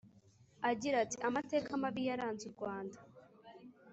agira ati “amateka mabi yaranze u rwanda